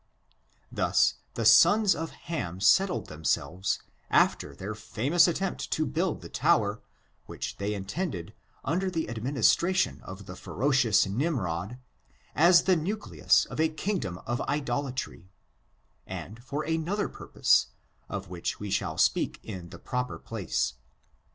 Thus the sons of Ham settled themselvies, after their famous attempt to build the tower, which they intended, under the administration of the ferocious Nimrod, as the nucleus of a kingdom of idolatry, and for another piurpose, of which we shall speak in the proper place.